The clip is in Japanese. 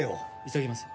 急ぎます。